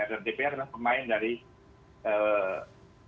dan dpr memang pemain dari persaturan politik kita yang